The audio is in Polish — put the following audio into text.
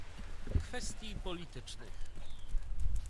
Kwestii Politycznych